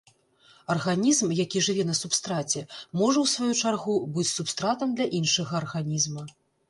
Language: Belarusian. Арганізм, які жыве на субстраце, можа, у сваю чаргу, быць субстратам для іншага арганізма.